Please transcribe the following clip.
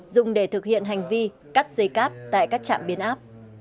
dùng để thực hiện hành vi cắt dây cáp tại các trạm biến áp